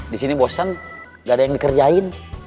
disini bosan gak ada yang dikerjain